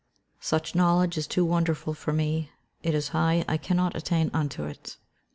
[Verse: "Such knowledge is too wonderful for me; it is high, I cannot attain unto it."